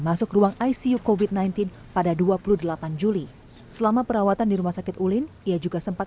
masuk ruang icu covid sembilan belas pada dua puluh delapan juli selama perawatan di rumah sakit ulin ia juga sempat